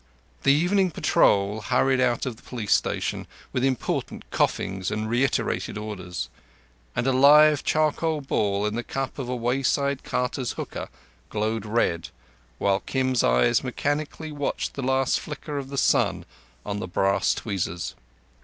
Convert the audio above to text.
The evening patrol hurried out of the police station with important coughings and reiterated orders; and a live charcoal ball in the cup of a wayside carter's hookah glowed red while Kim's eye mechanically watched the last flicker of the sun on the brass tweezers.